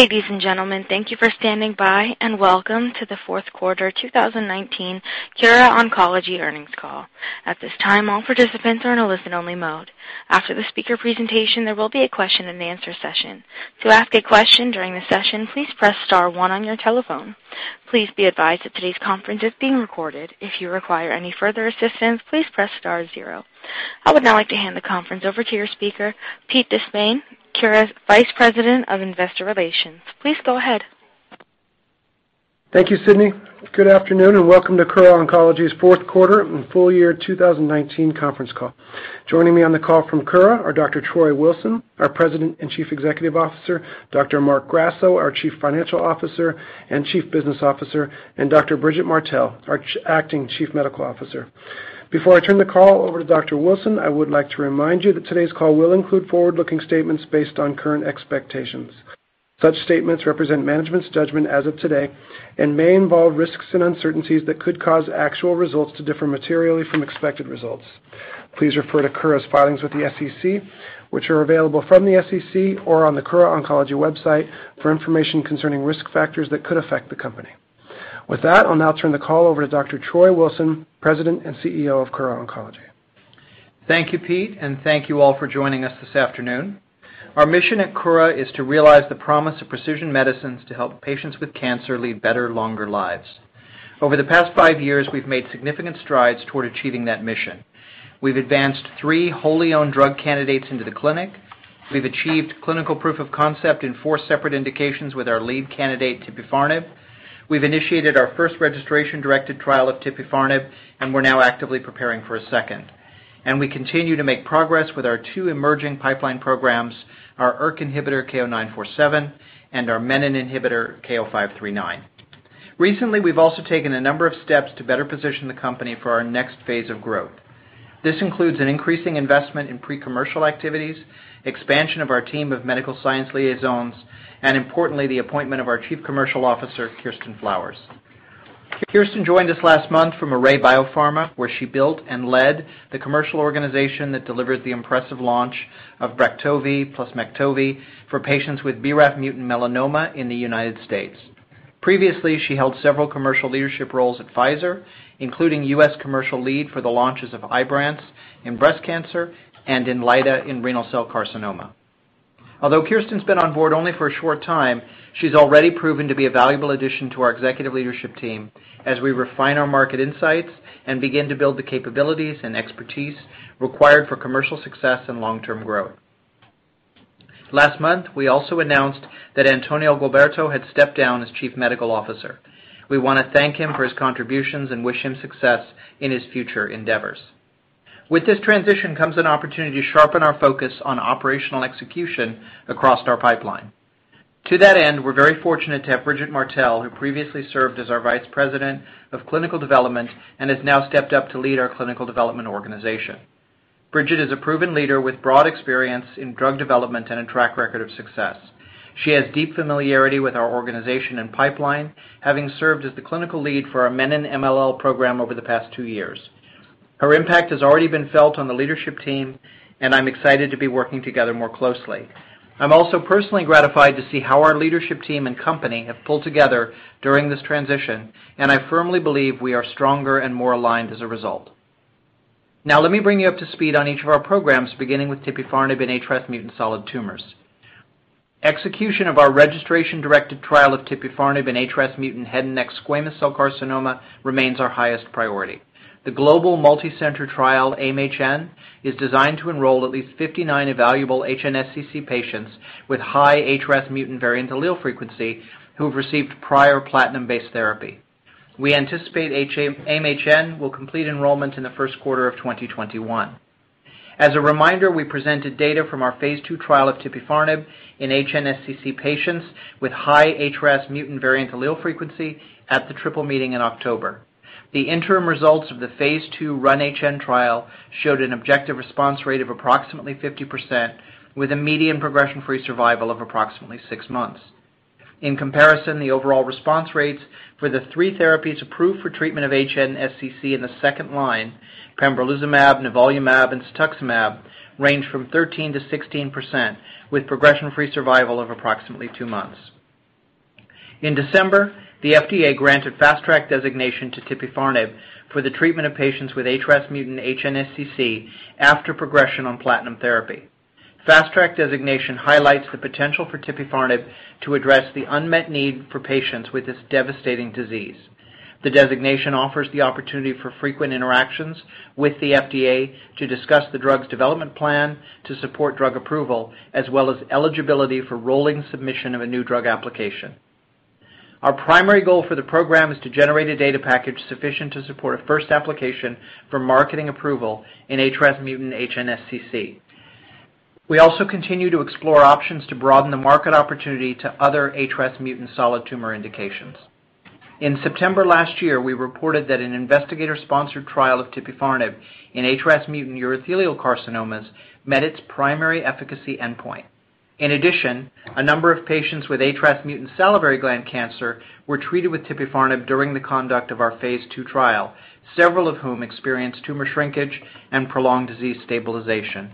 Ladies and gentlemen, thank you for standing by, welcome to the Fourth Quarter 2019 Kura Oncology earnings call. At this time, all participants are in a listen-only mode. After the speaker presentation, there will be a question and answer session. To ask a question during the session, please press star one on your telephone. Please be advised that today's conference is being recorded. If you require any further assistance, please press star zero. I would now like to hand the conference over to your speaker, Pete De Spain, Kura's Vice President of Investor Relations. Please go ahead. Thank you, Sydney. Good afternoon, welcome to Kura Oncology's fourth quarter and full year 2019 conference call. Joining me on the call from Kura are Dr. Troy Wilson, our President and Chief Executive Officer, Dr. Marc Grasso, our Chief Financial Officer and Chief Business Officer, and Dr. Bridget Martell, our Acting Chief Medical Officer. Before I turn the call over to Dr. Wilson, I would like to remind you that today's call will include forward-looking statements based on current expectations. Such statements represent management's judgment as of today and may involve risks and uncertainties that could cause actual results to differ materially from expected results. Please refer to Kura's filings with the SEC, which are available from the SEC or on the Kura Oncology website for information concerning risk factors that could affect the company. With that, I'll now turn the call over to Dr. Troy Wilson, President and CEO of Kura Oncology. Thank you, Pete. Thank you all for joining us this afternoon. Our mission at Kura is to realize the promise of precision medicines to help patients with cancer lead better, longer lives. Over the past five years, we've made significant strides toward achieving that mission. We've advanced three wholly owned drug candidates into the clinic. We've achieved clinical proof of concept in four separate indications with our lead candidate, tipifarnib. We've initiated our first registration-directed trial of tipifarnib, and we're now actively preparing for a second. We continue to make progress with our two emerging pipeline programs, our ERK inhibitor KO-947, and our menin inhibitor, KO-539. Recently, we've also taken a number of steps to better position the company for our next phase of growth. This includes an increasing investment in pre-commercial activities, expansion of our team of medical science liaisons, and importantly, the appointment of our Chief Commercial Officer, Kirsten Flowers. Kirsten joined us last month from Array BioPharma, where she built and led the commercial organization that delivered the impressive launch of BRAFTOVI plus MEKTOVI for patients with BRAF mutant melanoma in the United States. Previously, she held several commercial leadership roles at Pfizer, including U.S. commercial lead for the launches of IBRANCE in breast cancer and INLYTA in renal cell carcinoma. Although Kirsten's been on board only for a short time, she's already proven to be a valuable addition to our executive leadership team as we refine our market insights and begin to build the capabilities and expertise required for commercial success and long-term growth. Last month, we also announced that Antonio Gualberto had stepped down as Chief Medical Officer. We want to thank him for his contributions and wish him success in his future endeavors. With this transition comes an opportunity to sharpen our focus on operational execution across our pipeline. To that end, we're very fortunate to have Bridget Martell, who previously served as our Vice President of Clinical Development and has now stepped up to lead our clinical development organization. Bridget is a proven leader with broad experience in drug development and a track record of success. She has deep familiarity with our organization and pipeline, having served as the clinical lead for our menin-MLL program over the past two years. Her impact has already been felt on the leadership team, and I'm excited to be working together more closely. I'm also personally gratified to see how our leadership team and company have pulled together during this transition, and I firmly believe we are stronger and more aligned as a result. Now, let me bring you up to speed on each of our programs, beginning with tipifarnib in HRAS-mutant solid tumors. Execution of our registration-directed trial of tipifarnib in HRAS-mutant head and neck squamous cell carcinoma remains our highest priority. The global multi-center trial, AIM-HN, is designed to enroll at least 59 evaluable HNSCC patients with high HRAS mutant variant allele frequency who have received prior platinum-based therapy. We anticipate AIM-HN will complete enrollment in the first quarter of 2021. As a reminder, we presented data from our phase II trial of tipifarnib in HNSCC patients with high HRAS mutant variant allele frequency at the Triple Meeting in October. The interim results of the phase II RUN-HN trial showed an objective response rate of approximately 50% with a median progression-free survival of approximately six months. In comparison, the overall response rates for the three therapies approved for treatment of HNSCC in the second line, pembrolizumab, nivolumab, and cetuximab, range from 13%-16%, with progression-free survival of approximately two months. In December, the FDA granted Fast Track designation to tipifarnib for the treatment of patients with HRAS-mutant HNSCC after progression on platinum therapy. Fast Track designation highlights the potential for tipifarnib to address the unmet need for patients with this devastating disease. The designation offers the opportunity for frequent interactions with the FDA to discuss the drug's development plan to support drug approval, as well as eligibility for rolling submission of a new drug application. Our primary goal for the program is to generate a data package sufficient to support a first application for marketing approval in HRAS-mutant HNSCC. We also continue to explore options to broaden the market opportunity to other HRAS mutant solid tumor indications. In September last year, we reported that an investigator-sponsored trial of tipifarnib in HRAS mutant urothelial carcinomas met its primary efficacy endpoint. In addition, a number of patients with HRAS mutant salivary gland cancer were treated with tipifarnib during the conduct of our phase II trial, several of whom experienced tumor shrinkage and prolonged disease stabilization.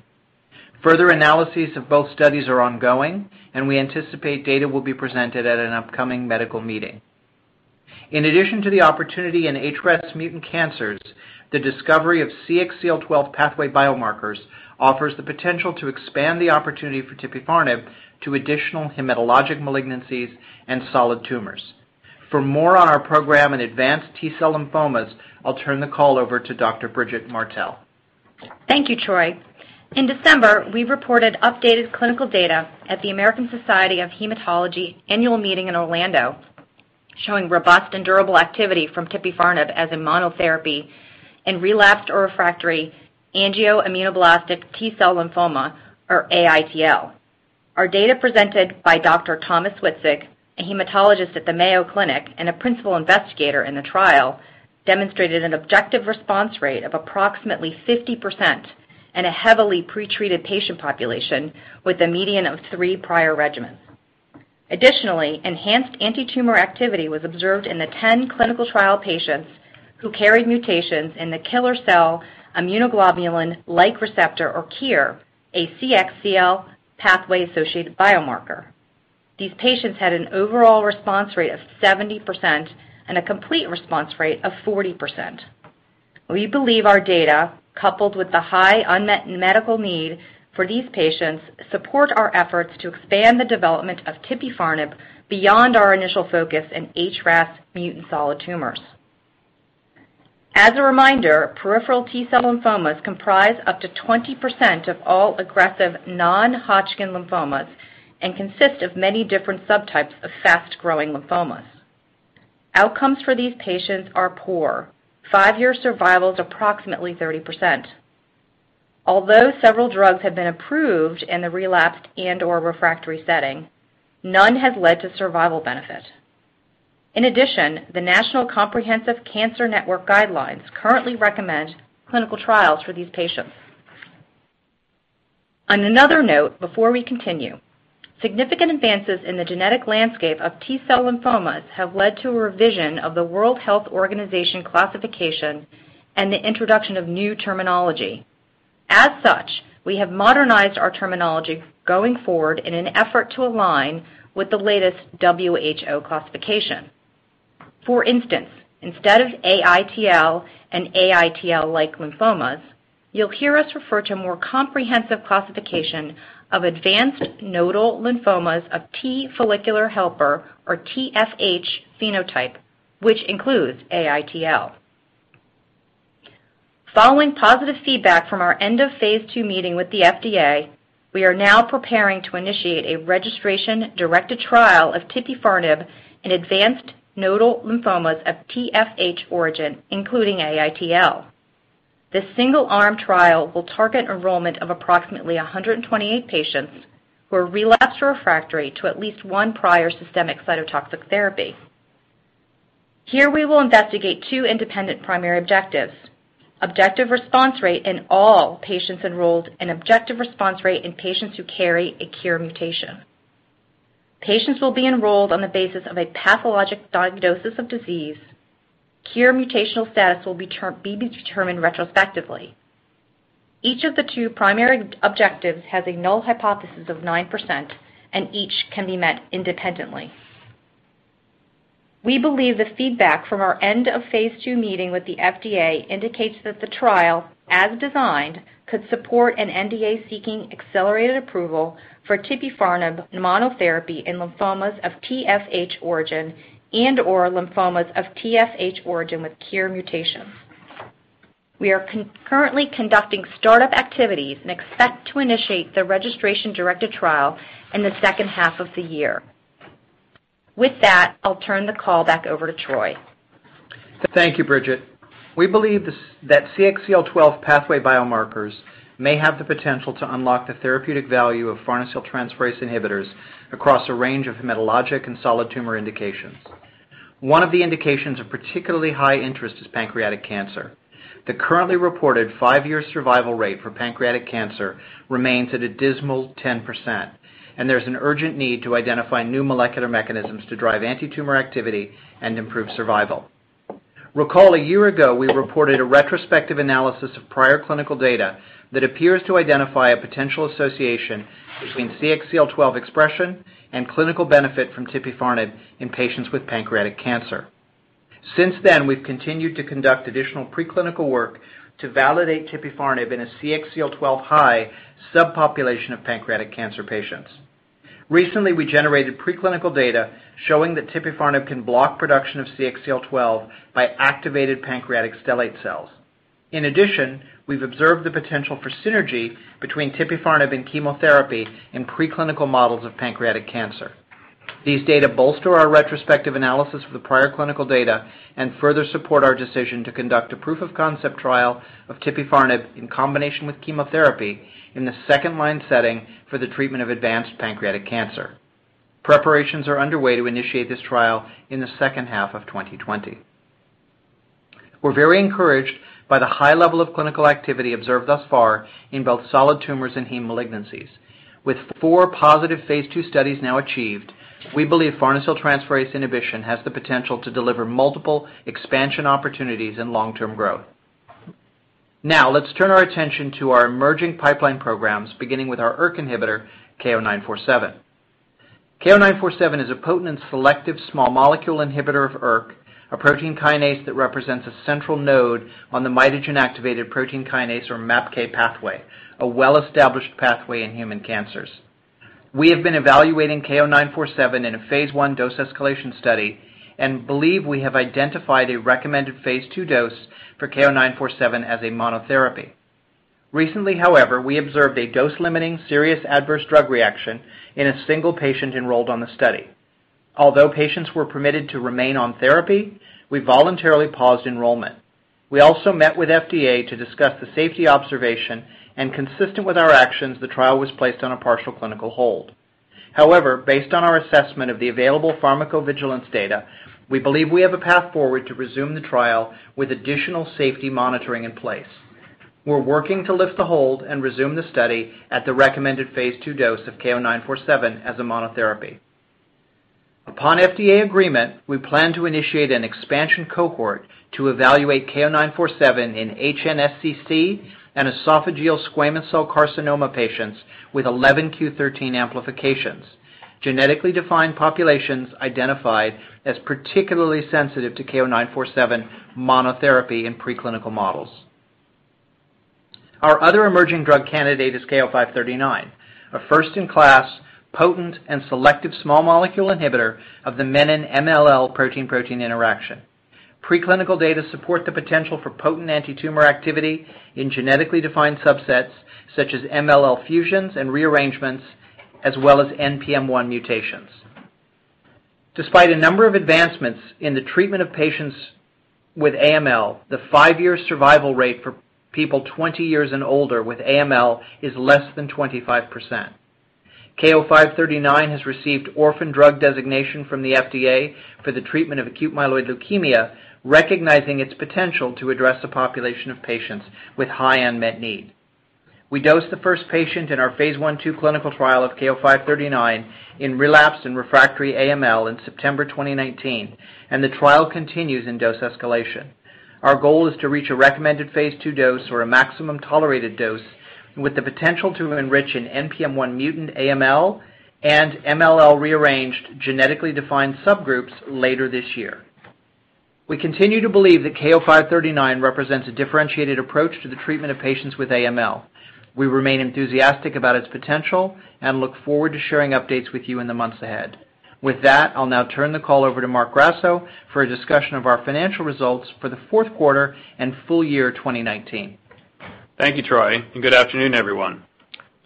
Further analyses of both studies are ongoing, and we anticipate data will be presented at an upcoming medical meeting. In addition to the opportunity in HRAS-mutant cancers, the discovery of CXCL12 pathway biomarkers offers the potential to expand the opportunity for tipifarnib to additional hematologic malignancies and solid tumors. For more on our program in advanced T-cell lymphomas, I'll turn the call over to Dr. Bridget Martell. Thank you, Troy. In December, we reported updated clinical data at the American Society of Hematology annual meeting in Orlando, showing robust and durable activity from tipifarnib as a monotherapy in relapsed or refractory angioimmunoblastic T-cell lymphoma, or AITL. Our data presented by Dr. Thomas Witzig, a hematologist at the Mayo Clinic and a principal investigator in the trial, demonstrated an objective response rate of approximately 50% in a heavily pretreated patient population with a median of three prior regimens. Additionally, enhanced antitumor activity was observed in the 10 clinical trial patients who carried mutations in the killer cell immunoglobulin-like receptor, or KIR, a CXCL pathway-associated biomarker. These patients had an overall response rate of 70% and a complete response rate of 40%. We believe our data, coupled with the high unmet medical need for these patients, support our efforts to expand the development of tipifarnib beyond our initial focus in HRAS mutant solid tumors. As a reminder, peripheral T-cell lymphomas comprise up to 20% of all aggressive non-Hodgkin lymphoma and consist of many different subtypes of fast-growing lymphomas. Outcomes for these patients are poor. Five-year survival is approximately 30%. Although several drugs have been approved in the relapsed and/or refractory setting, none has led to survival benefit. In addition, the National Comprehensive Cancer Network guidelines currently recommend clinical trials for these patients. On another note, before we continue, significant advances in the genetic landscape of T-cell lymphomas have led to a revision of the World Health Organization classification and the introduction of new terminology. As such, we have modernized our terminology going forward in an effort to align with the latest WHO classification. For instance, instead of AITL and AITL-like lymphomas, you'll hear us refer to a more comprehensive classification of advanced nodal lymphomas, a T-follicular helper, or TFH phenotype, which includes AITL. Following positive feedback from our end of phase II meeting with the FDA, we are now preparing to initiate a registration directed trial of tipifarnib in advanced nodal lymphomas of TFH origin, including AITL. This single-arm trial will target enrollment of approximately 128 patients who are relapsed refractory to at least one prior systemic cytotoxic therapy. Here we will investigate two independent primary objectives: objective response rate in all patients enrolled, and objective response rate in patients who carry a KIR mutation. Patients will be enrolled on the basis of a pathologic diagnosis of disease. KIR mutational status will be determined retrospectively. Each of the two primary objectives has a null hypothesis of 9%, and each can be met independently. We believe the feedback from our end of phase II meeting with the FDA indicates that the trial, as designed, could support an NDA seeking accelerated approval for tipifarnib monotherapy in lymphomas of TFH origin and/or lymphomas of TFH origin with KIR mutations. We are currently conducting startup activities and expect to initiate the registration-directed trial in the second half of the year. With that, I'll turn the call back over to Troy. Thank you, Bridget. We believe that CXCL12 pathway biomarkers may have the potential to unlock the therapeutic value of farnesyltransferase inhibitors across a range of hematologic and solid tumor indications. One of the indications of particularly high interest is pancreatic cancer. The currently reported five-year survival rate for pancreatic cancer remains at a dismal 10%, and there's an urgent need to identify new molecular mechanisms to drive antitumor activity and improve survival. Recall, a year ago, we reported a retrospective analysis of prior clinical data that appears to identify a potential association between CXCL12 expression and clinical benefit from tipifarnib in patients with pancreatic cancer. Since then, we've continued to conduct additional preclinical work to validate tipifarnib in a CXCL12 high subpopulation of pancreatic cancer patients. Recently, we generated preclinical data showing that tipifarnib can block production of CXCL12 by activated pancreatic stellate cells. In addition, we've observed the potential for synergy between tipifarnib and chemotherapy in preclinical models of pancreatic cancer. These data bolster our retrospective analysis of the prior clinical data and further support our decision to conduct a proof of concept trial of tipifarnib in combination with chemotherapy in the second-line setting for the treatment of advanced pancreatic cancer. Preparations are underway to initiate this trial in the second half of 2020. We're very encouraged by the high level of clinical activity observed thus far in both solid tumors and heme malignancies. With four positive phase II studies now achieved. We believe farnesyltransferase inhibition has the potential to deliver multiple expansion opportunities and long-term growth. Let's turn our attention to our emerging pipeline programs, beginning with our ERK inhibitor, KO-947. KO-947 is a potent and selective small molecule inhibitor of ERK, a protein kinase that represents a central node on the mitogen activated protein kinase, or MAPK pathway, a well-established pathway in human cancers. We have been evaluating KO-947 in a phase I dose escalation study and believe we have identified a recommended phase II dose for KO-947 as a monotherapy. Recently, however, we observed a dose-limiting serious adverse drug reaction in a single patient enrolled in the study. Although patients were permitted to remain on therapy, we voluntarily paused enrollment. We also met with FDA to discuss the safety observation and consistent with our actions, the trial was placed on a partial clinical hold. However, based on our assessment of the available pharmacovigilance data, we believe we have a path forward to resume the trial with additional safety monitoring in place. We're working to lift the hold and resume the study at the recommended phase II dose of KO-947 as a monotherapy. Upon FDA agreement, we plan to initiate an expansion cohort to evaluate KO-947 in HNSCC and esophageal squamous cell carcinoma patients with 11q13 amplifications, genetically defined populations identified as particularly sensitive to KO-947 monotherapy in preclinical models. Our other emerging drug candidate is KO-539, a first-in-class potent and selective small molecule inhibitor of the menin-MLL protein-protein interaction. Preclinical data support the potential for potent antitumor activity in genetically defined subsets such as MLL fusions and rearrangements, as well as NPM1 mutations. Despite a number of advancements in the treatment of patients with AML, the five-year survival rate for people 20 years and older with AML is less than 25%. KO-539 has received Orphan Drug Designation from the FDA for the treatment of acute myeloid leukemia, recognizing its potential to address a population of patients with high unmet need. We dosed the first patient in our phase I/II clinical trial of KO-539 in relapsed and refractory AML in September 2019, and the trial continues in dose escalation. Our goal is to reach a recommended phase II dose or a maximum tolerated dose with the potential to enrich an NPM1 mutant AML and MLL rearranged genetically defined subgroups later this year. We continue to believe that KO-539 represents a differentiated approach to the treatment of patients with AML. We remain enthusiastic about its potential and look forward to sharing updates with you in the months ahead. With that, I'll now turn the call over to Marc Grasso for a discussion of our financial results for the fourth quarter and full year 2019. Thank you, Troy, and good afternoon, everyone.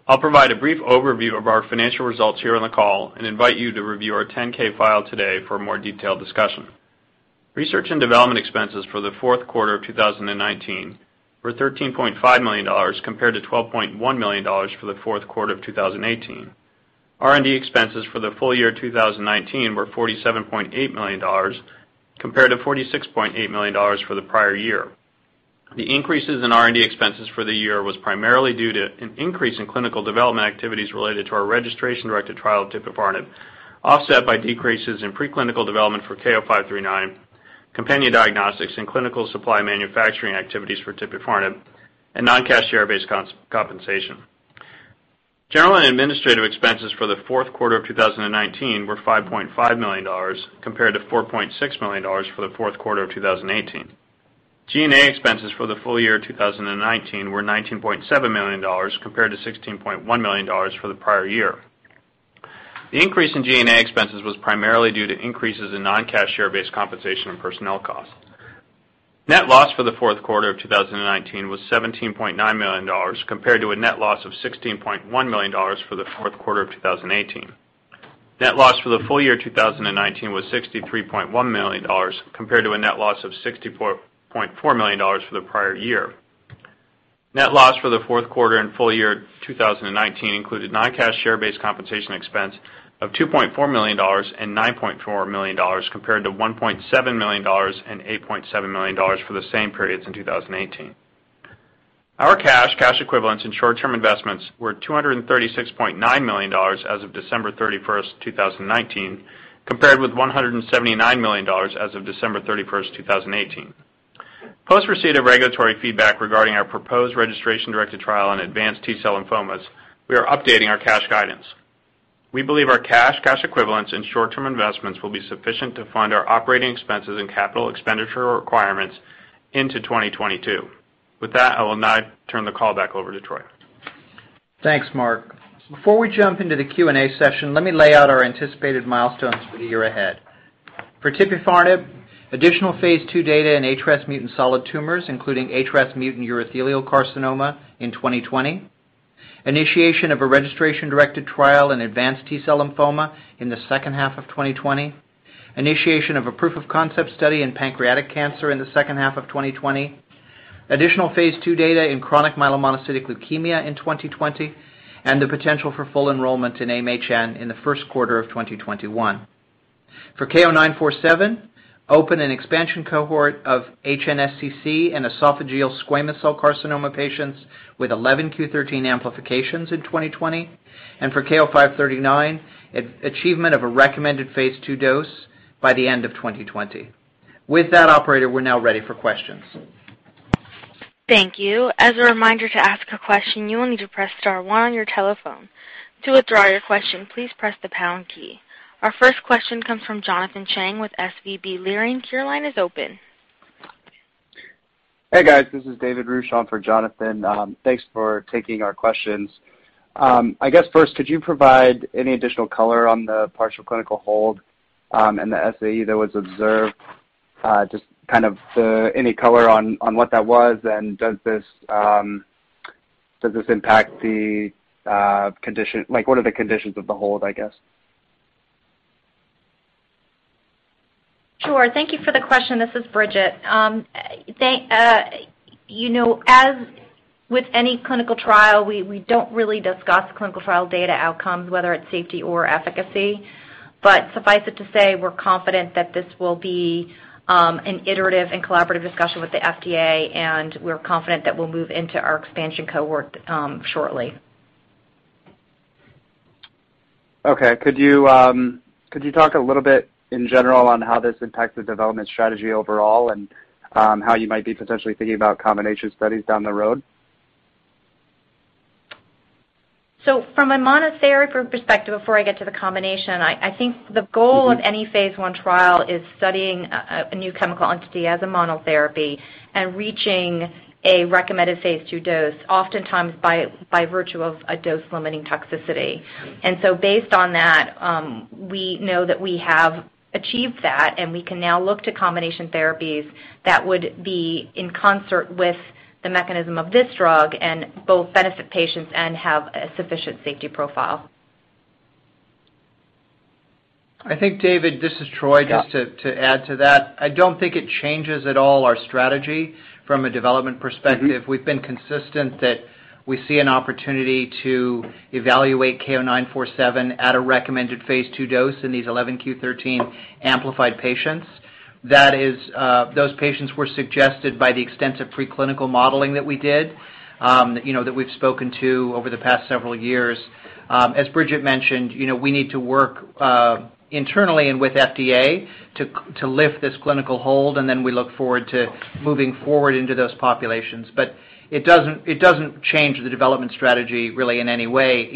I'll provide a brief overview of our financial results here on the call and invite you to review our 10-K file today for a more detailed discussion. Research and development expenses for the fourth quarter of 2019 were $13.5 million compared to $12.1 million for the fourth quarter of 2018. R&D expenses for the full year 2019 were $47.8 million compared to $46.8 million for the prior year. The increases in R&D expenses for the year was primarily due to an increase in clinical development activities related to our registration-directed trial of tipifarnib, offset by decreases in preclinical development for KO-539, companion diagnostics and clinical supply manufacturing activities for tipifarnib, and non-cash share-based compensation. General and administrative expenses for the fourth quarter of 2019 were $5.5 million, compared to $4.6 million for the fourth quarter of 2018. G&A expenses for the full year 2019 were $19.7 million, compared to $16.1 million for the prior year. The increase in G&A expenses was primarily due to increases in non-cash share-based compensation and personnel costs. Net loss for the fourth quarter of 2019 was $17.9 million, compared to a net loss of $16.1 million for the fourth quarter of 2018. Net loss for the full year 2019 was $63.1 million, compared to a net loss of $64.4 million for the prior year. Net loss for the fourth quarter and full year 2019 included non-cash share-based compensation expense of $2.4 million and $9.4 million, compared to $1.7 million and $8.7 million for the same periods in 2018. Our cash equivalents, and short-term investments were $236.9 million as of December 31st, 2019, compared with $179 million as of December 31st, 2018. Post receipt of regulatory feedback regarding our proposed registration-directed trial on advanced T-cell lymphomas, we are updating our cash guidance. We believe our cash equivalents, and short-term investments will be sufficient to fund our operating expenses and capital expenditure requirements into 2022. With that, I will now turn the call back over to Troy. Thanks, Marc. Before we jump into the Q&A session, let me lay out our anticipated milestones for the year ahead. For tipifarnib, additional phase II data in HRAS mutant solid tumors, including HRAS mutant urothelial carcinoma in 2020. Initiation of a registration-directed trial in advanced T-cell lymphoma in the second half of 2020. Initiation of a proof of concept study in pancreatic cancer in the second half of 2020. Additional phase II data in chronic myelomonocytic leukemia in 2020, and the potential for full enrollment in AIM-HN in the first quarter of 2021. For KO-947, open an expansion cohort of HNSCC and esophageal squamous cell carcinoma patients with 11q13 amplifications in 2020. For KO-539, achievement of a recommended phase II dose by the end of 2020. With that operator, we're now ready for questions. Thank you. As a reminder, to ask a question, you will need to press star one on your telephone. To withdraw your question, please press the pound key. Our first question comes from Jonathan Chang with SVB Leerink. Your line is open. This is David Ruch on for Jonathan. Thanks for taking our questions. I guess first, could you provide any additional color on the partial clinical hold, and the SAE that was observed? Just any color on what that was, and does this impact the condition? What are the conditions of the hold, I guess? Thank you for the question. This is Bridget. As with any clinical trial, we don't really discuss clinical trial data outcomes, whether it's safety or efficacy. Suffice it to say, we're confident that this will be an iterative and collaborative discussion with the FDA. We're confident that we'll move into our expansion cohort shortly. Could you talk a little bit in general on how this impacts the development strategy overall and how you might be potentially thinking about combination studies down the road? From a monotherapy perspective, before I get to the combination, I think the goal of any phase I trial is studying a new chemical entity as a monotherapy and reaching a recommended phase II dose, oftentimes by virtue of a dose-limiting toxicity. Based on that, we know that we have achieved that, and we can now look to combination therapies that would be in concert with the mechanism of this drug and both benefit patients and have a sufficient safety profile. I think, David, this is Troy. Just to add to that, I don't think it changes at all our strategy from a development perspective. We've been consistent that we see an opportunity to evaluate KO-947 at a recommended phase II dose in these 11q13 amplified patients. Those patients were suggested by the extensive preclinical modeling that we did, that we've spoken to over the past several years. As Bridget mentioned, we need to work internally and with FDA to lift this clinical hold, and then we look forward to moving forward into those populations. It doesn't change the development strategy really in any way.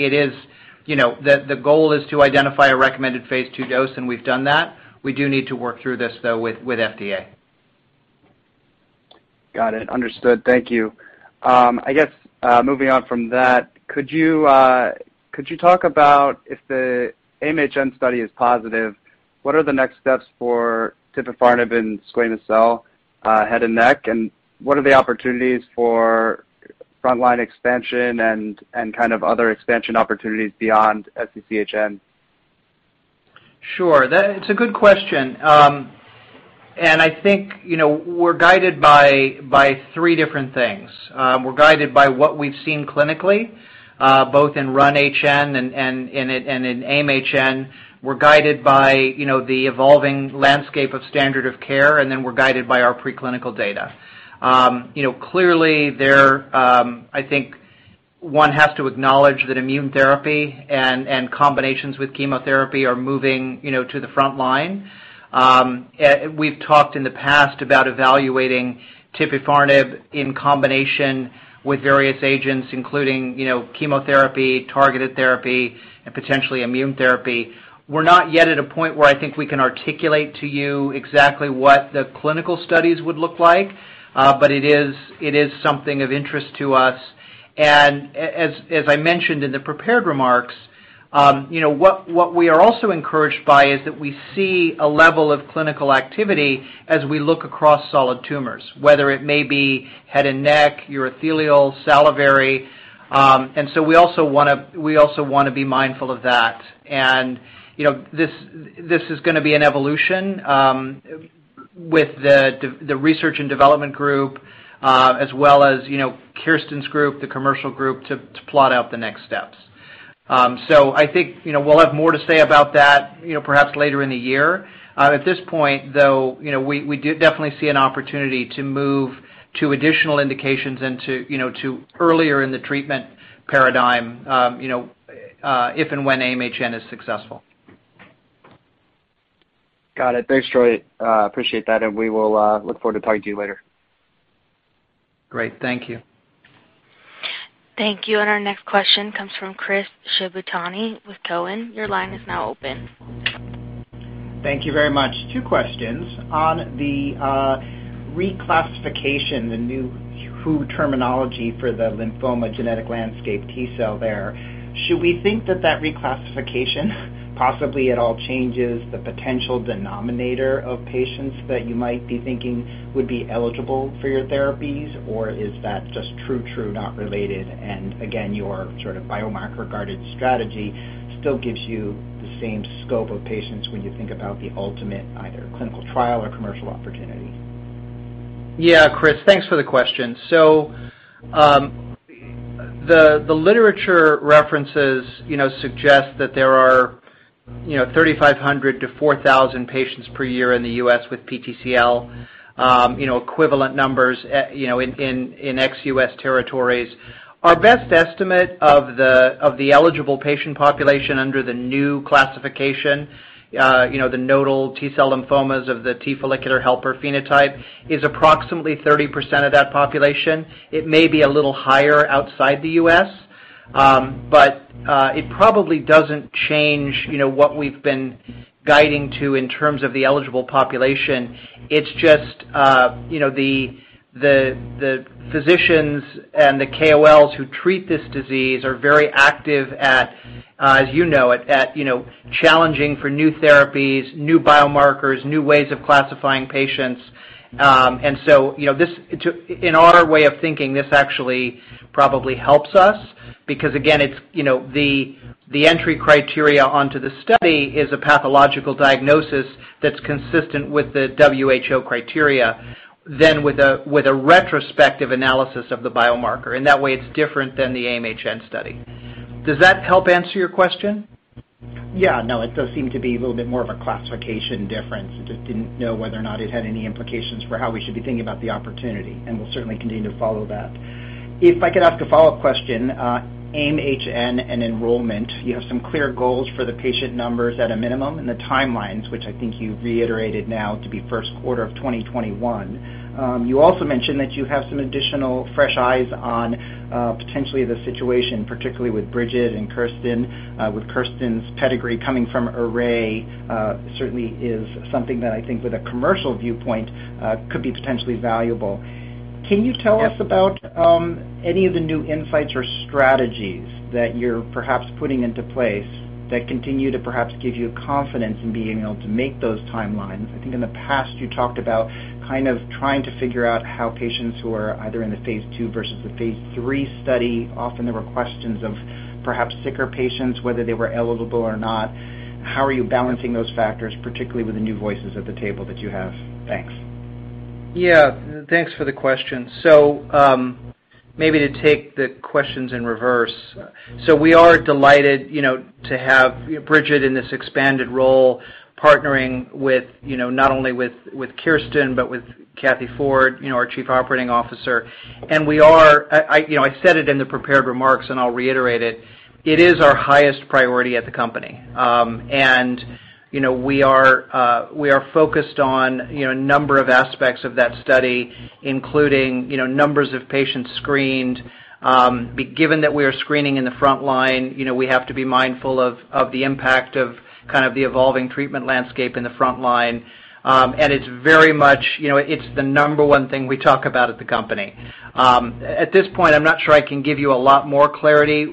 The goal is to identify a recommended phase II dose, and we've done that. We do need to work through this, though, with FDA. Understood. Thank you. I guess, moving on from that, could you talk about if the AIM-HN study is positive, what are the next steps for tipifarnib in squamous cell head and neck, and what are the opportunities for frontline expansion and other expansion opportunities beyond SCCHN? It's a good question. I think we're guided by three different things. We're guided by what we've seen clinically, both in RUN-HN and in AIM-HN. We're guided by the evolving landscape of standard of care, and then we're guided by our preclinical data. Clearly there, I think one has to acknowledge that immune therapy and combinations with chemotherapy are moving to the front line. We've talked in the past about evaluating tipifarnib in combination with various agents, including chemotherapy, targeted therapy, and potentially immune therapy. We're not yet at a point where I think we can articulate to you exactly what the clinical studies would look like, but it is something of interest to us. As I mentioned in the prepared remarks, what we are also encouraged by is that we see a level of clinical activity as we look across solid tumors, whether it may be head and neck, urothelial, salivary. We also want to be mindful of that. This is going to be an evolution with the research and development group, as well as Kirsten's group, the commercial group, to plot out the next steps. I think we'll have more to say about that perhaps later in the year. At this point, though, we definitely see an opportunity to move to additional indications into earlier in the treatment paradigm if and when AIM-HN is successful. Thanks, Troy. Appreciate that, and we will look forward to talking to you later. Great. Thank you. Thank you. Our next question comes from Chris Shibutani with Cowen. Your line is now open. Thank you very much. Two questions. On the reclassification, the new WHO terminology for the lymphoma genetic landscape T-cell there, should we think that that reclassification possibly at all changes the potential denominator of patients that you might be thinking would be eligible for your therapies? Or is that just true not related, and again, your sort of biomarker-guided strategy still gives you the same scope of patients when you think about the ultimate either clinical trial or commercial opportunity? Chris, thanks for the question. The literature references suggest that there are 3,500 to 4,000 patients per year in the U.S. with PTCL, equivalent numbers in ex-U.S. territories. Our best estimate of the eligible patient population under the new classification, the nodal T-cell lymphomas of the T follicular helper phenotype, is approximately 30% of that population. It may be a little higher outside the U.S., but it probably doesn't change what we've been guiding to in terms of the eligible population. It's just the physicians and the KOLs who treat this disease are very active, as you know it, at challenging for new therapies, new biomarkers, new ways of classifying patients. In our way of thinking, this actually probably helps us, because again, the entry criteria onto the study is a pathological diagnosis that's consistent with the WHO criteria than with a retrospective analysis of the biomarker. In that way, it's different than the AIM-HN study. Does that help answer your question? Yeah. No, it does seem to be a little bit more of a classification difference. I just didn't know whether or not it had any implications for how we should be thinking about the opportunity, and we'll certainly continue to follow that. If I could ask a follow-up question, AIM-HN and enrollment, you have some clear goals for the patient numbers at a minimum, and the timelines, which I think you've reiterated now to be first quarter of 2021. You also mentioned that you have some additional fresh eyes on potentially the situation, particularly with Bridget and Kirsten. With Kirsten's pedigree coming from Array, certainly is something that I think with a commercial viewpoint could be potentially valuable. Can you tell us about any of the new insights or strategies that you're perhaps putting into place that continue to perhaps give you confidence in being able to make those timelines? I think in the past, you talked about trying to figure out how patients who are either in the phase II versus the phase III study, often there were questions of perhaps sicker patients, whether they were eligible or not. How are you balancing those factors, particularly with the new voices at the table that you have? Thanks. Thanks for the question. Maybe to take the questions in reverse. We are delighted to have Bridget in this expanded role, partnering not only with Kirsten, but with Kathy Ford, our Chief Operating Officer. I said it in the prepared remarks, and I'll reiterate it is our highest priority at the company. We are focused on a number of aspects of that study, including numbers of patients screened. Given that we are screening in the front line, we have to be mindful of the impact of kind of the evolving treatment landscape in the front line. It's the number 1 thing we talk about at the company. At this point, I'm not sure I can give you a lot more clarity.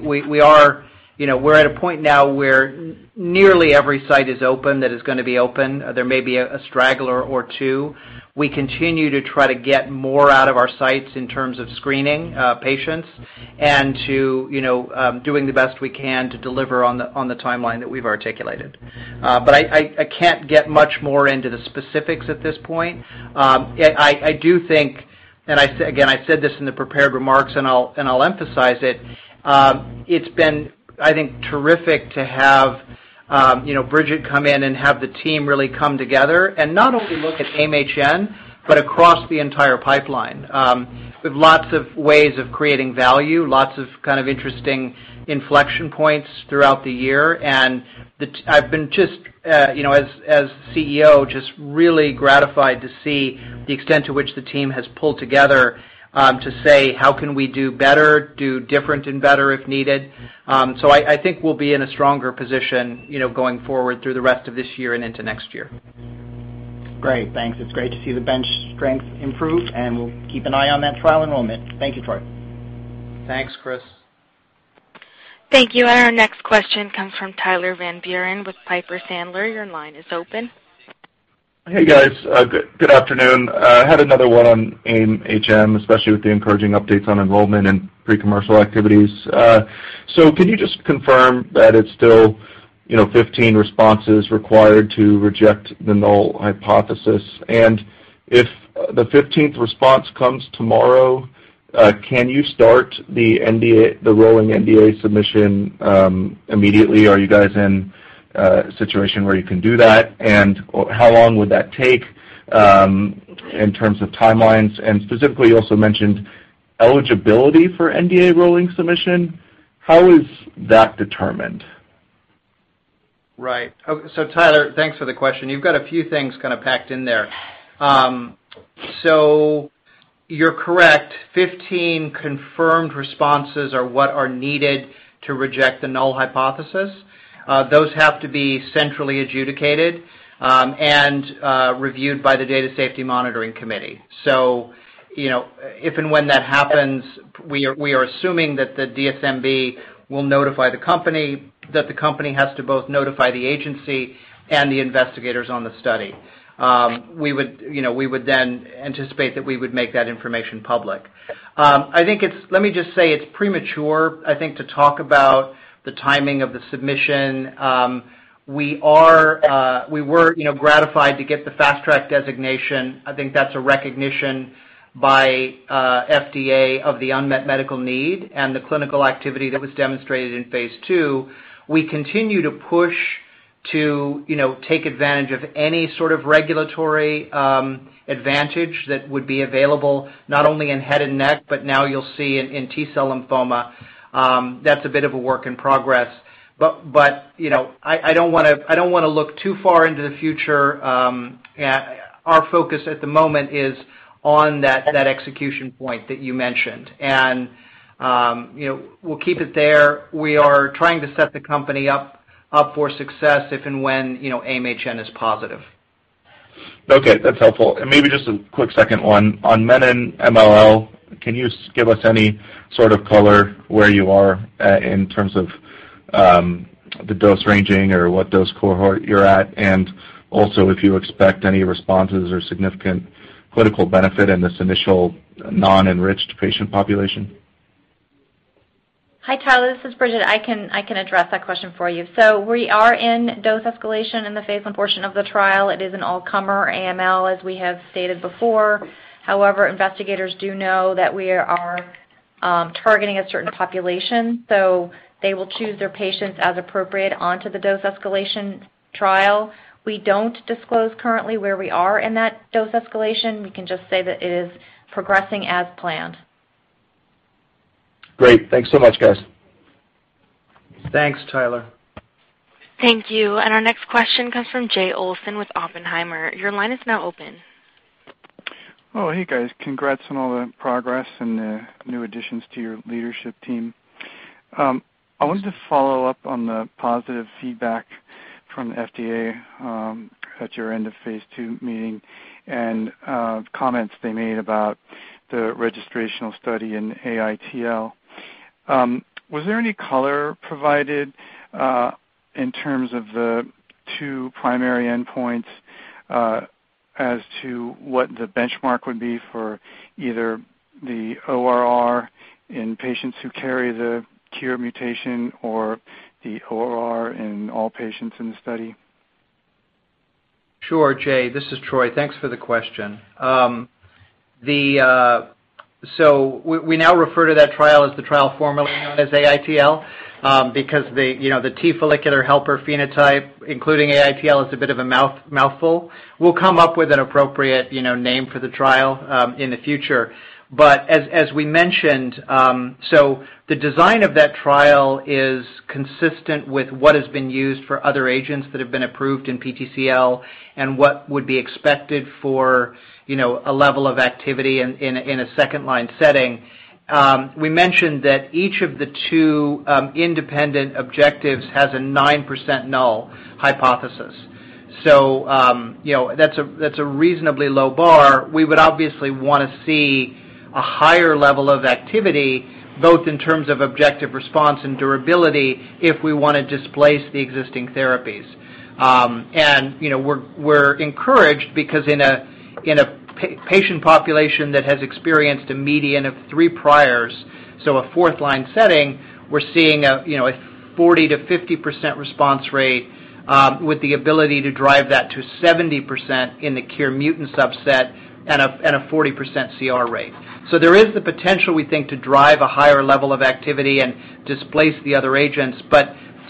We're at a point now where nearly every site is open that is going to be open. There may be a straggler or two. We continue to try to get more out of our sites in terms of screening patients and to doing the best we can to deliver on the timeline that we've articulated. I can't get much more into the specifics at this point. I do think, again, I said this in the prepared remarks, and I'll emphasize it's been, I think, terrific to have Bridget come in and have the team really come together and not only look at AIM-HN, but across the entire pipeline. We have lots of ways of creating value, lots of kind of interesting inflection points throughout the year. I've been, as CEO, just really gratified to see the extent to which the team has pulled together to say, "How can we do better, do different and better if needed?" I think we'll be in a stronger position going forward through the rest of this year and into next year. Thanks. It's great to see the bench strength improve, and we'll keep an eye on that trial enrollment. Thank you, Troy. Thanks, Chris. Thank you. Our next question comes from Tyler Van Buren with Piper Sandler. Your line is open. Hey, guys. Good afternoon. I had another one on AIM-HN, especially with the encouraging updates on enrollment and pre-commercial activities. Can you just confirm that it's still 15 responses required to reject the null hypothesis? If the 15th response comes tomorrow, can you start the rolling NDA submission immediately? Are you guys in a situation where you can do that? How long would that take in terms of timelines? Specifically, you also mentioned eligibility for NDA rolling submission. How is that determined? Tyler, thanks for the question. You've got a few things kind of packed in there. You're correct, 15 confirmed responses are what are needed to reject the null hypothesis. Those have to be centrally adjudicated and reviewed by the Data Safety Monitoring Committee. If and when that happens, we are assuming that the DSMB will notify the company, that the company has to both notify the agency and the investigators on the study. We would anticipate that we would make that information public. Let me just say it's premature, I think, to talk about the timing of the submission. We were gratified to get the Fast Track designation. I think that's a recognition by FDA of the unmet medical need and the clinical activity that was demonstrated in phase II. We continue to push to take advantage of any sort of regulatory advantage that would be available not only in head and neck, but now you'll see in T-cell lymphoma. That's a bit of a work in progress. I don't want to look too far into the future. Our focus at the moment is on that execution point that you mentioned, and we'll keep it there. We are trying to set the company up for success if and when AIM-HN is positive. That's helpful. Maybe just a quick second one. On menin-MLL, can you give us any sort of color where you are in terms of the dose ranging or what dose cohort you're at, and also if you expect any responses or significant clinical benefit in this initial non-enriched patient population? Hi, Tyler. This is Bridget. I can address that question for you. We are in dose escalation in the phase I portion of the trial. It is an all-comer AML, as we have stated before. Investigators do know that we are targeting a certain population, so they will choose their patients as appropriate onto the dose escalation trial. We don't disclose currently where we are in that dose escalation. We can just say that it is progressing as planned. Thanks so much, guys. Thanks, Tyler. Thank you. Our next question comes from Jay Olson with Oppenheimer. Your line is now open. Hey guys. Congrats on all the progress and the new additions to your leadership team. I wanted to follow up on the positive feedback from FDA at your end of phase II meeting and comments they made about the registrational study in AITL. Was there any color provided in terms of the two primary endpoints as to what the benchmark would be for either the ORR in patients who carry the KIR mutation or the ORR in all patients in the study? Sure, Jay. This is Troy. Thanks for the question. We now refer to that trial as the trial formerly known as AITL because the T follicular helper phenotype, including AITL, is a bit of a mouthful. We'll come up with an appropriate name for the trial in the future. As we mentioned, the design of that trial is consistent with what has been used for other agents that have been approved in PTCL and what would be expected for a level of activity in a second-line setting. We mentioned that each of the two independent objectives has a 9% null hypothesis. That's a reasonably low bar. We would obviously want to see a higher level of activity, both in terms of objective response and durability if we want to displace the existing therapies. We're encouraged because in a patient population that has experienced a median of three priors, so a fourth-line setting, we're seeing a 40%-50% response rate with the ability to drive that to 70% in the KIR mutant subset and a 40% CR rate. There is the potential, we think, to drive a higher level of activity and displace the other agents.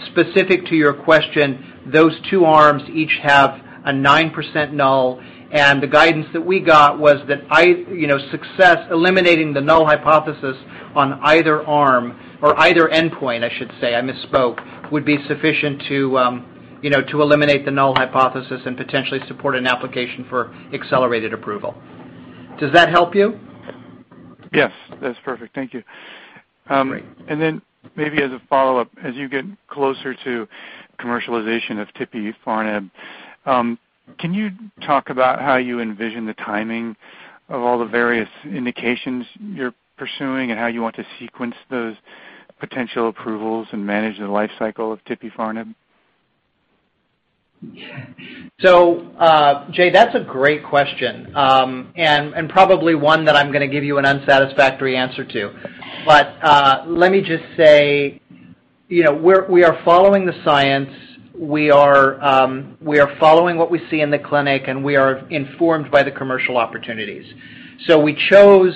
Specific to your question, those two arms each have a 9% null, and the guidance that we got was that success eliminating the null hypothesis on either arm or either endpoint, I should say, I misspoke, would be sufficient to eliminate the null hypothesis and potentially support an application for accelerated approval. Does that help you? That's perfect. Thank you. Then maybe as a follow-up, as you get closer to commercialization of tipifarnib, can you talk about how you envision the timing of all the various indications you're pursuing and how you want to sequence those potential approvals and manage the life cycle of tipifarnib? Jay, that's a great question. Probably one that I'm going to give you an unsatisfactory answer to. Let me just say we are following the science, we are following what we see in the clinic, and we are informed by the commercial opportunities. We chose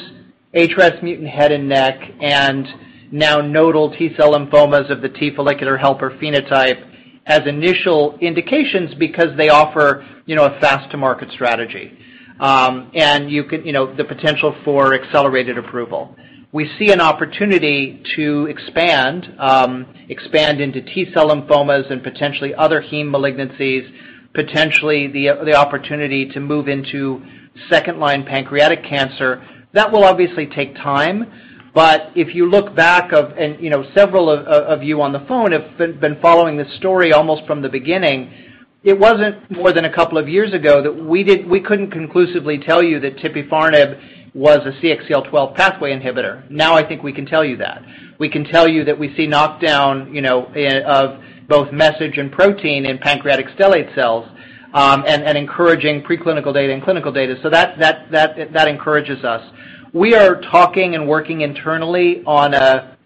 HRAS mutant head and neck and now nodal T-cell lymphomas of the T follicular helper phenotype as initial indications because they offer a fast-to-market strategy, and the potential for accelerated approval. We see an opportunity to expand into T-cell lymphomas and potentially other heme malignancies, potentially the opportunity to move into second-line pancreatic cancer. That will obviously take time, but if you look back, and several of you on the phone have been following this story almost from the beginning. It wasn't more than a couple of years ago that we couldn't conclusively tell you that tipifarnib was a CXCL12 pathway inhibitor. Now I think we can tell you that. We can tell you that we see knockdown of both message and protein in pancreatic stellate cells and encouraging preclinical data and clinical data. That encourages us. We are talking and working internally on a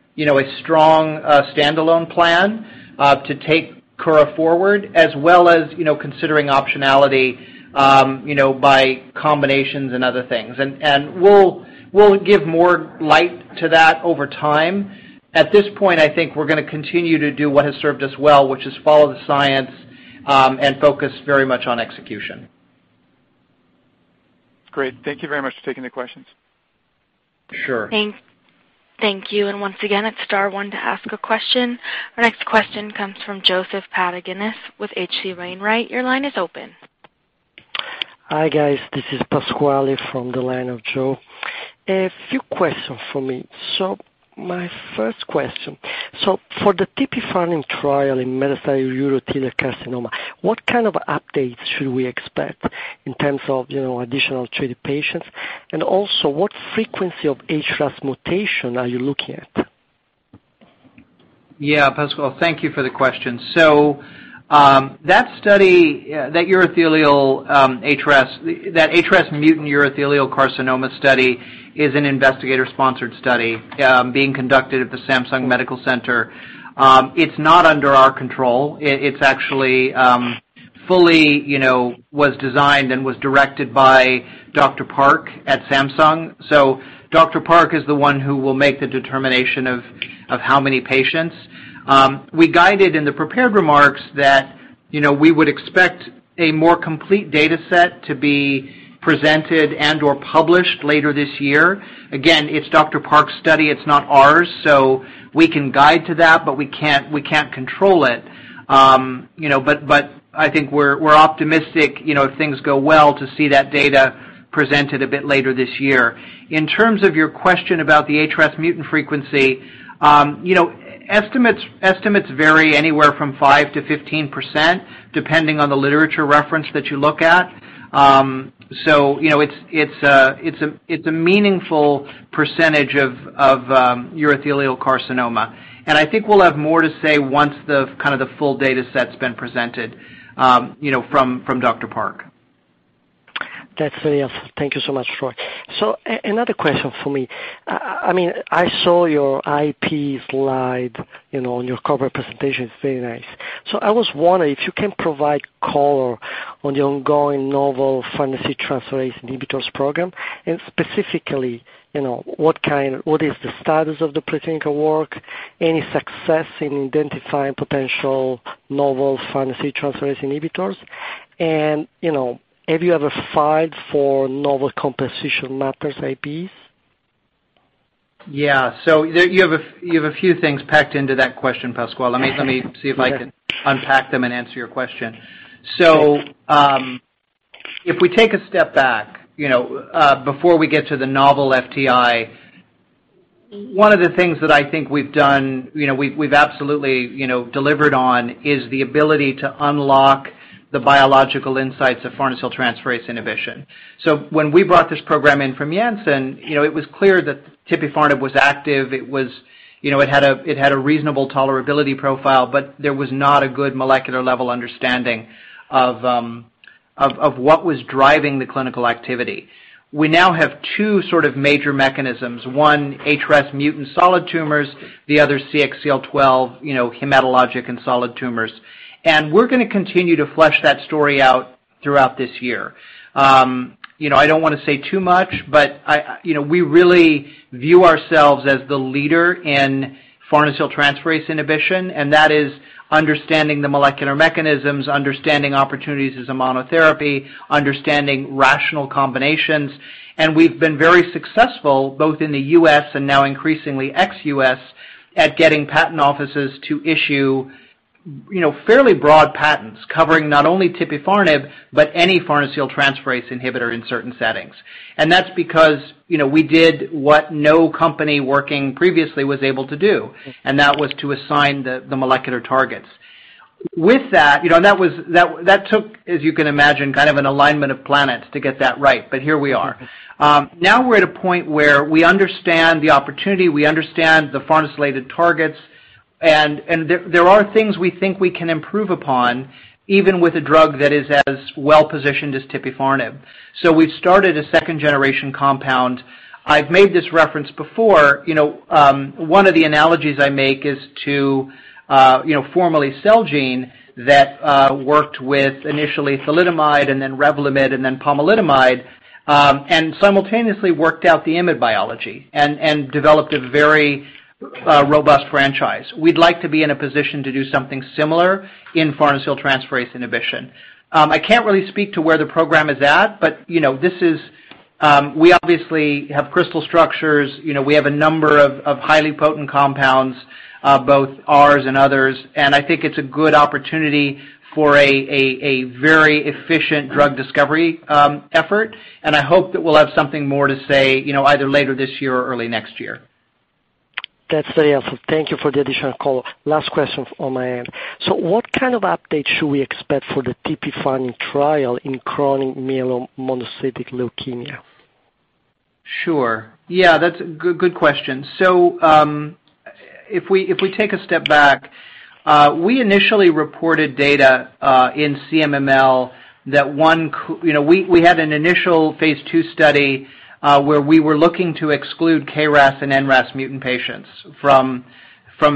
strong standalone plan to take Kura forward, as well as considering optionality by combinations and other things. We'll give more light to that over time. At this point, I think we're going to continue to do what has served us well, which is follow the science, and focus very much on execution. Thank you very much for taking the questions. Sure. Thank you. Once again, it's star one to ask a question. Our next question comes from Joseph Pantginis with HC Wainwright. Your line is open. Hi, guys. This is Pasquale from the line of Jo. A few questions from me. My first question. For the tipifarnib trial in metastatic urothelial carcinoma, what kind of updates should we expect in terms of additional treated patients? What frequency of HRAS mutation are you looking at? Pasquale, thank you for the question. That study, that HRAS mutant urothelial carcinoma study is an investigator-sponsored study being conducted at the Samsung Medical Center. It's not under our control. It's actually fully was designed and was directed by Dr. Park at Samsung. Dr. Park is the one who will make the determination of how many patients. We guided in the prepared remarks that we would expect a more complete data set to be presented and/or published later this year. Again, it's Dr. Park's study, it's not ours, so we can guide to that, but we can't control it. I think we're optimistic, if things go well, to see that data presented a bit later this year. In terms of your question about the HRAS mutant frequency, estimates vary anywhere from 5%-15%, depending on the literature reference that you look at. It's a meaningful percentage of urothelial carcinoma. I think we'll have more to say once the full data set's been presented from Dr. Park. That's very helpful. Thank you so much, Troy. Another question from me. I saw your IP slide in your corporate presentation. It's very nice. I was wondering if you can provide color on the ongoing novel farnesyltransferase inhibitors program, and specifically, what is the status of the preclinical work, any success in identifying potential novel farnesyltransferase inhibitors, and have you ever filed for novel composition methods IPs? You have a few things packed into that question, Pasquale. Let me see if I can unpack them and answer your question. If we take a step back, before we get to the novel FTI, one of the things that I think we've done, we've absolutely delivered on is the ability to unlock the biological insights of farnesyltransferase inhibition. When we brought this program in from Janssen, it was clear that tipifarnib was active. It had a reasonable tolerability profile, but there was not a good molecular-level understanding of what was driving the clinical activity. We now have two sort of major mechanisms, one HRAS mutant solid tumors, the other CXCL12 hematologic and solid tumors. We're going to continue to flesh that story out throughout this year. I don't want to say too much, but we really view ourselves as the leader in farnesyltransferase inhibition, and that is understanding the molecular mechanisms, understanding opportunities as a monotherapy, understanding rational combinations. We've been very successful, both in the U.S. and now increasingly ex-U.S., at getting patent offices to issue fairly broad patents covering not only tipifarnib, but any farnesyltransferase inhibitor in certain settings. That is because we did what no company working previously was able to do, and that was to assign the molecular targets. With that took, as you can imagine, kind of an alignment of planets to get that right. Here we are. Now we're at a point where we understand the opportunity, we understand the farnesylated targets. There are things we think we can improve upon, even with a drug that is as well-positioned as tipifarnib. We've started a second-generation compound. I've made this reference before. One of the analogies I make is to formerly Celgene that worked with initially thalidomide and then REVLIMID and then pomalidomide, and simultaneously worked out the IMiD biology and developed a very robust franchise. We'd like to be in a position to do something similar in farnesyltransferase inhibition. I can't really speak to where the program is at, but we obviously have crystal structures. We have a number of highly potent compounds, both ours and others, and I think it's a good opportunity for a very efficient drug discovery effort, and I hope that we'll have something more to say either later this year or early next year. That's very helpful. Thank you for the additional color. Last question on my end. What kind of update should we expect for the tipifarnib trial in chronic myelomonocytic leukemia? That's a good question. If we take a step back, we initially reported data in CMML. We had an initial phase II study where we were looking to exclude KRAS and NRAS mutant patients from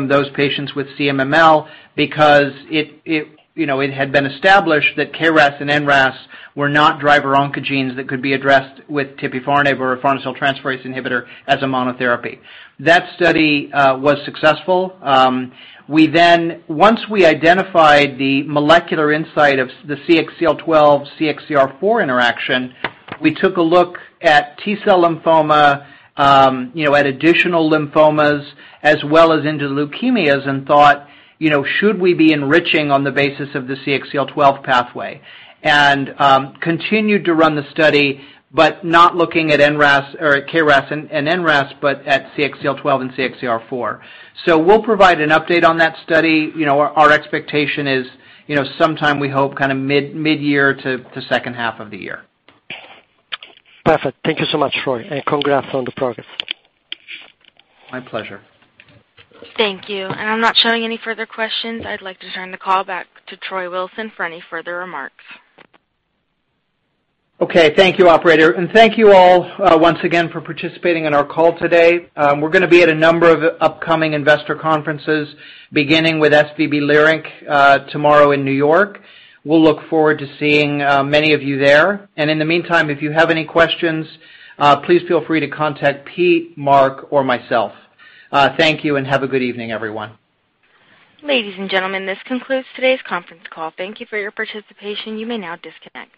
those patients with CMML because it had been established that KRAS and NRAS were not driver oncogenes that could be addressed with tipifarnib or a farnesyltransferase inhibitor as a monotherapy. That study was successful. Once we identified the molecular insight of the CXCL12, CXCR4 interaction, we took a look at T-cell lymphoma, at additional lymphomas, as well as into leukemias and thought, "Should we be enriching on the basis of the CXCL12 pathway?" Continued to run the study, but not looking at KRAS and NRAS, but at CXCL12 and CXCR4. We'll provide an update on that study. Our expectation is sometime we hope mid-year to second half of the year. Thank you so much, Troy, and congrats on the progress. My pleasure. Thank you. I'm not showing any further questions. I'd like to turn the call back to Troy Wilson for any further remarks. Thank you, operator. Thank you all once again for participating in our call today. We're going to be at a number of upcoming investor conferences, beginning with SVB Leerink tomorrow in New York. We'll look forward to seeing many of you there. In the meantime, if you have any questions, please feel free to contact Pete, Marc, or myself. Thank you and have a good evening, everyone. Ladies and gentlemen, this concludes today's conference call. Thank you for your participation. You may now disconnect.